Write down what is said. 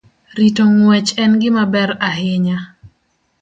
Rito ng'wech en gima ber ahinya